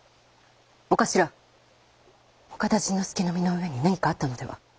お頭岡田甚之助の身の上に何かあったのでは？